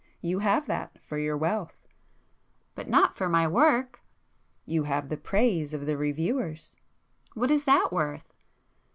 You have that—for your wealth." "But not for my work!" "You have the praise of the reviewers!" "What is that worth!"